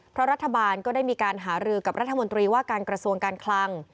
เพราะรัฐบาลก็ได้มีการหารือกับรัฐมนตรีว่าการกระทรวงการคลัง